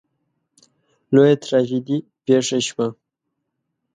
لویه تراژیدي پېښه شوه.